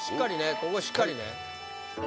ここしっかりね